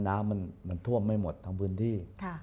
น้ำมันท่วมไม่หมดทั้งพื้นที่